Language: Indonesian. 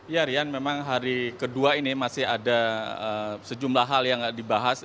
ya rian memang hari kedua ini masih ada sejumlah hal yang dibahas